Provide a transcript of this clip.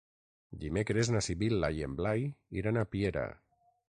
Dimecres na Sibil·la i en Blai iran a Piera.